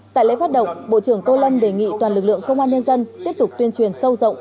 tại lễ phát động bộ trưởng tô lâm đề nghị toàn lực lượng công an nhân dân tiếp tục tuyên truyền sâu rộng